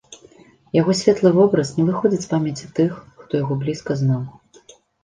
Яго светлы вобраз не выходзіць з памяці тых, хто яго блізка знаў.